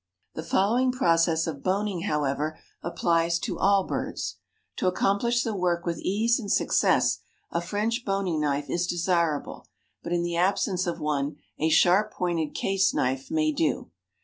The following process of boning, however, applies to all birds. To accomplish the work with ease and success, a French boning knife is desirable, but in the absence of one a sharp pointed case knife may do.